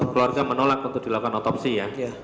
keluarga menolak untuk dilakukan otopsi ya